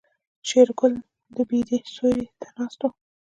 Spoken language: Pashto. شېرګل د بيدې سيوري ته ناست و.